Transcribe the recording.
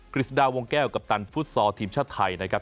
ฤษฎาวงแก้วกัปตันฟุตซอลทีมชาติไทยนะครับ